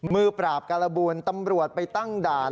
มือปราบการบูลตำรวจไปตั้งด่าน